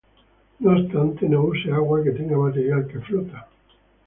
No obstante, no use agua que tenga material que flota